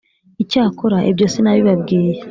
Icyakora ibyo sinabibabwiye